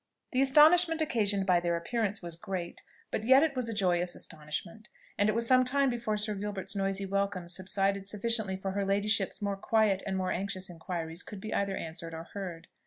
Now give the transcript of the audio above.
The astonishment occasioned by their appearance was great, but yet it was a joyous astonishment, and it was some time before Sir Gilbert's noisy welcome subsided sufficiently for her ladyship's more quiet and more anxious inquiries could be either answered or heard.